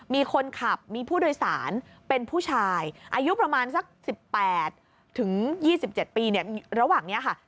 มีคนขับมีผู้โดยสารเป็นผู้ชายอายุประมาณสักสิบแปดถึงยี่สิบเจ็ดปีเนี่ยระหว่างเนี้ยค่ะ